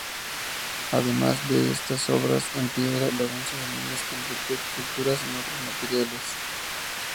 Además de estas obras en piedra, Lorenzo Domínguez completó esculturas en otros materiales.